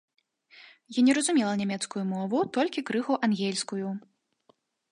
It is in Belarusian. Я не разумела нямецкую мову, толькі крыху ангельскую.